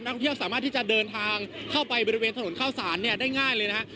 ท่องเที่ยวสามารถที่จะเดินทางเข้าไปบริเวณถนนข้าวสารเนี่ยได้ง่ายเลยนะฮะ